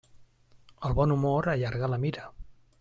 El bon humor allarga la mira.